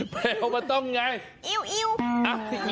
แบวมันต้องอย่างไร